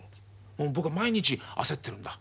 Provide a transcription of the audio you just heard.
僕は毎日焦ってるんだ。